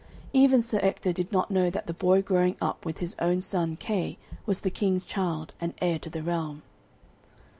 Even Sir Ector did not know that the boy growing up with his own son Kay was the King's child, and heir to the realm.